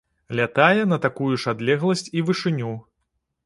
Лятае на такую ж адлегласць і вышыню.